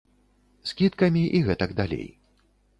Скідкамі і гэтак далей.